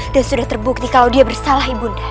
dan sudah terbukti kalau dia bersalah ibu nda